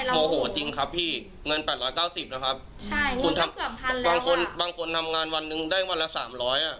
โมโหจริงครับพี่เงิน๘๙๐บาทบางคนทำงานวันหนึ่งได้วันละ๓๐๐บาท